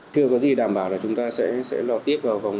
chưa có gì đảm bảo là chúng ta sẽ lọt tiếp vào vòng